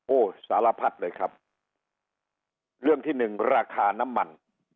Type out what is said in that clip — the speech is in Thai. สารพัดเลยครับเรื่องที่หนึ่งราคาน้ำมัน